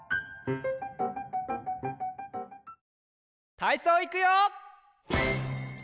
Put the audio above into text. たいそういくよ！